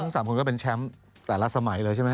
๓คนก็เป็นแชมป์แต่ละสมัยเลยใช่ไหม